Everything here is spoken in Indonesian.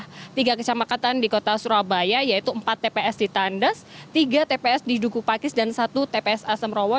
tiga tps di wilayah tiga kecamatan di kota surabaya yaitu empat tps di tandas tiga tps di duku pakis dan satu tps asamrowo